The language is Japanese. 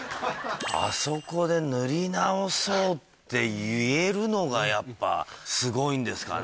あそこで。って言えるのがやっぱすごいんですかね。